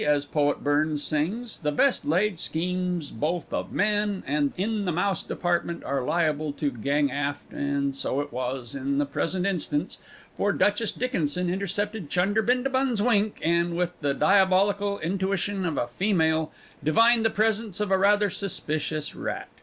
as Poet Burns sings, the best laid schemes both of men and in the mouse department are liable to gang aft and so it was in the present instance, for Duchess Dickinson intercepted Chunder Bindabun's wink and, with the diabolical intuition of a feminine, divined the presence of a rather suspicious rat.